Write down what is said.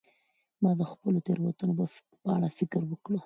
ما د خپلو تیروتنو په اړه فکر وکړ.